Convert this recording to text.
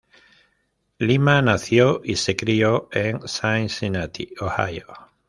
Lima nació y se crio en Cincinnati, Ohio.